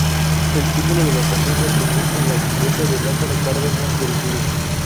El símbolo de la estación representa la silueta de Lázaro Cárdenas del Río.